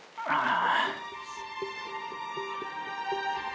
ああ。